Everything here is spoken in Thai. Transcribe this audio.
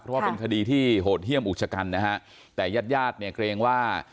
เพราะว่าเป็นคดีที่โหดเยี่ยมอุกชกันนะฮะแต่ญาติญาติเนี่ยเกรงว่า